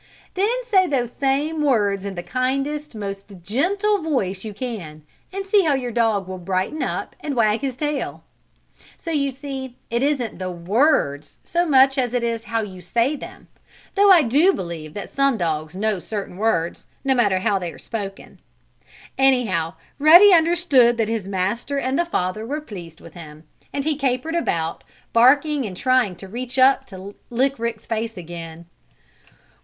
Then say those same words in the kindest, most gentle voice you can, and see how your dog will brighten up, and wag his tail. So you see it isn't the words so much as it is how you say them, though I do believe that some dogs know certain words, no matter how they are spoken. Anyhow Ruddy understood that his master and the father were pleased with him, and he capered about, barking and trying to reach up to lick Rick's face again.